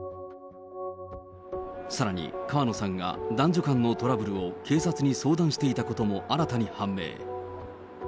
さらに、川野さんが男女間のトラブルを警察に相談していたことも新たに判明。